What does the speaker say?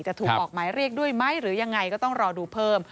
จะถูกออกหมายเรียกด้วยไหมหรือยังไงก็ต้องรอดูเพิ่ม